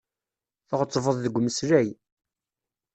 Tɣettbeḍ deg umeslay.